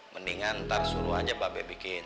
mendingan ntar suruh aja bape bikin